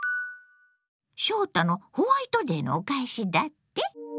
翔太のホワイトデーのお返しだって？